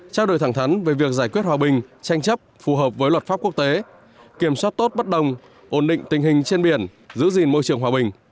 trao đổi thẳng thắn về việc giải quyết hòa bình tranh chấp phù hợp với luật pháp quốc tế kiểm soát tốt bất đồng ổn định tình hình trên biển giữ gìn môi trường hòa bình